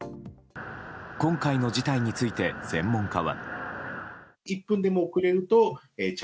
今回の事態について、専門家は。